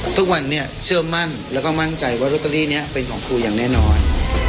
ทุกวันนี้เชื่อมั่นแล้วก็มั่นใจว่าโรตเตอรี่นี้เป็นของครูอย่างแน่นอน